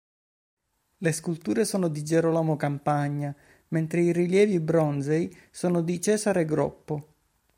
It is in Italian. Le sculture sono di Gerolamo Campagna, mentre i rilievi bronzei sono di Cesare Groppo.